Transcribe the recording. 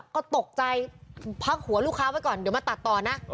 ก็ตกใจพักหัวลูกค้าไว้ก่อนเดี๋ยวมาตัดต่อนะ